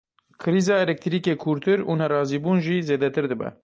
Krîza elektrîkê kûrtir û nerazîbûn jî zêdetir dibe.